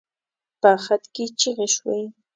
په خط کې چيغې شوې.